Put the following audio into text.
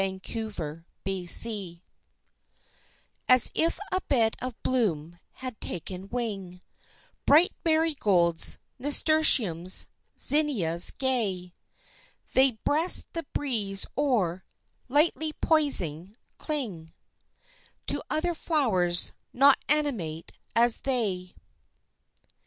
Butterflies As if a bed of bloom had taken wing Bright marigolds, nasturtiums, zinnias gay They breast the breeze or, lightly poising, cling To other flowers not animate as they.